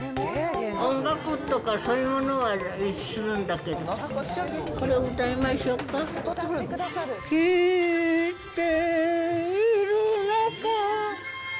音楽とかそういうものはするんだけど、これ、歌いましょうか？